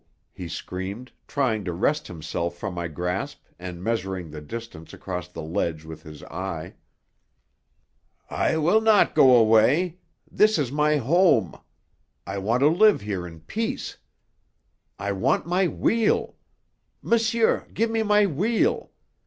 he screamed, trying to wrest himself from my grasp and measuring the distance across the ledge with his eye. "I will not go away. This is my home. I want to live here in peace. I want my wheel! Monsieur, give me my wheel.